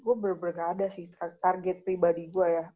gue bener bener gak ada sih target pribadi gue ya